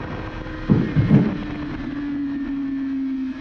D'Alembert le llamó "La Fuente de los filósofos".